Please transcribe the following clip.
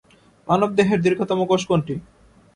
মানবদেহের দীর্ঘতম কোষ কোনটি?